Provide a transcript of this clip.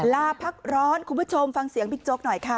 ลาพักร้อนคุณผู้ชมฟังเสียงบิ๊กโจ๊กหน่อยค่ะ